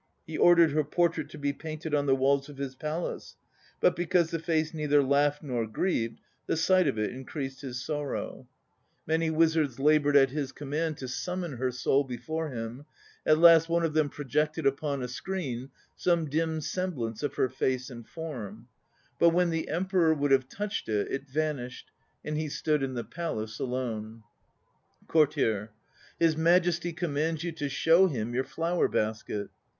He ordered her portrait to be painted on the walls of his palace. But, because the face neither laughed nor grieved, the sight of it increased his sorrow. *A Chinese Emperor of the Han dynasty and his concubine. SUMMARIES 223 Many wizards laboured at his command to summon her soul before him. At last one of them projected upon a screen some dim semblance of her face and form. But when the Emperor would have touched i vanished, and he stood in the palace alone. COURTIER. His Majesty commands you to show him your flower basket.